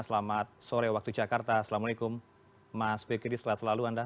selamat sore waktu jakarta assalamualaikum mas fikri sehat selalu anda